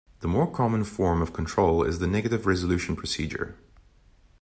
The more common form of control is the negative resolution procedure.